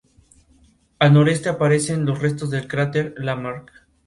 Más tarde, Yahoo!